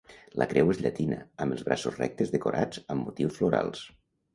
La creu és llatina amb els braços rectes decorats amb motius florals.